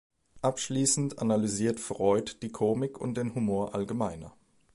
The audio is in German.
Abschließend analysiert Freud die Komik und den Humor allgemeiner.